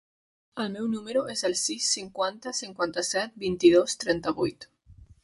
El meu número es el sis, cinquanta, cinquanta-set, vint-i-dos, trenta-vuit.